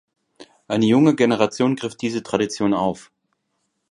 Eine junge Generation griff diese Tradition auf.